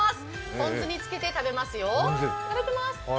ポン酢につけて食べますよ。